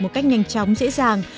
một cách nhanh chóng dễ dàng